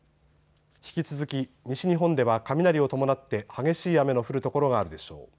引き続き西日本では雷を伴って激しい雨の降る所があるでしょう。